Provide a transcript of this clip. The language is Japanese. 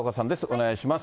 お願いします。